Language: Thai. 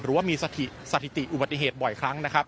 ว่ามีสถิติอุบัติเหตุบ่อยครั้งนะครับ